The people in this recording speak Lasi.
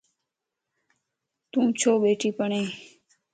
تون ڇو ٻيڻھي پڙھي